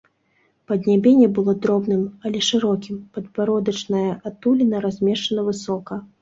Паднябенне было дробным, але шырокім, падбародачная адтуліна размешчана высока.